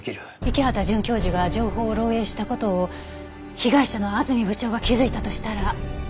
池畑准教授が情報を漏洩した事を被害者の安住部長が気づいたとしたら。